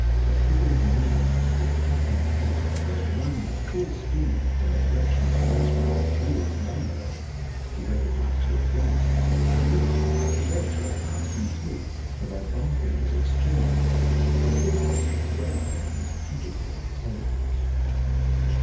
The figure of a man with flapping coat was running at full speed from the direction of the mess room towards the bun galow. He recognized who it was, and now the dogs recognized him, too, for their barking was exchanged for whimpers of welcome and agitated tails.